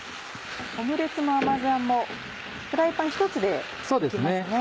オムレツの甘酢あんもフライパン１つでいけますね。